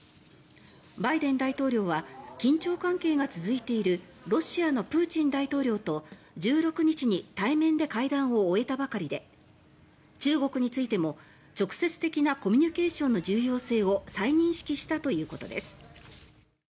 バイデン大統領は緊張関係が続いているロシアのプーチン大統領と１６日に対面で会談を終えたばかりで中国についても、直接的なコミュニケーションの重要性を再認識したということです。